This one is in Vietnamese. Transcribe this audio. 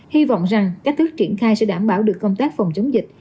hy vọng rằng cách thức triển khai sẽ đảm bảo được công tác phòng chống dịch